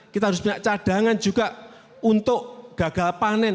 kita harus punya cadangan juga untuk gagal panen